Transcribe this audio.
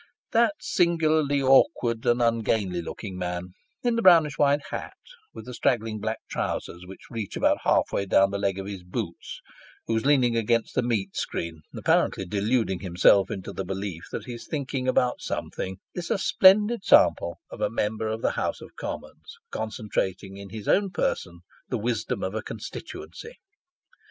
That singularly awkward and ungainly looking man, in the brownish white hat, with the straggling black trousers which reach about half way down the leg of his boots, who is leaning against the meat screen, apparently deluding himself into the belief that he is thinking about something, is a splendid sample of a Member of the House of Commons concentrating in his own person the wisdom of a constituency.